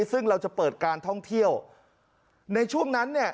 ซึ่งเราจะเปิดการท่องเที่ยวในช่วงนั้นเนี่ย